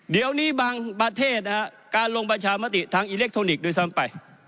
เดี๋ยวนี้บางประเทศนะฮะการลงประชามติทางอิเล็กทรอนิกส์ด้วยซ้ำไป